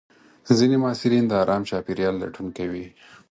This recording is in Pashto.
ځینې محصلین د ارام چاپېریال لټون کوي.